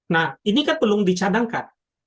nah ini kan belum dicadangkan